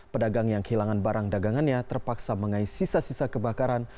pedagang yang kehilangan barang dagangannya terpaksa mengais sisa sisa kebakaran